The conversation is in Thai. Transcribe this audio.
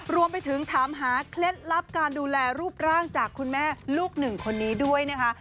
รวมไปถึงถามหาเคล็ดลับการดูแลรูปร่างจากคุณแม่ลูกหนึ่งคนนี้ด้วยนะคะ